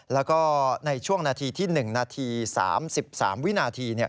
แล้วก็ในช่วงนาทีที่๑นาที๓๓วินาที